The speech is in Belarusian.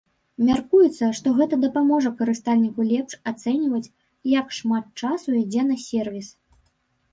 Мяркуецца, што гэта дапаможа карыстальніку лепш ацэньваць, як шмат часу ідзе на сервіс.